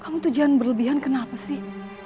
kamu tujuan berlebihan kenapa sih